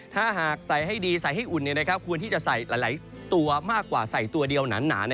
ถ้าหากใส่ให้ดีใส่ให้อุ่นควรที่จะใส่หลายตัวมากกว่าใส่ตัวเดียวหนา